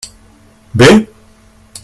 Bé?